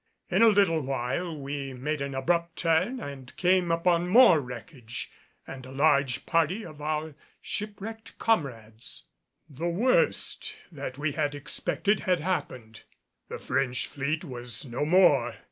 In a little while we made an abrupt turn and came upon more wreckage and a large party of our shipwrecked comrades. The worst that we had expected had happened. The French fleet was no more!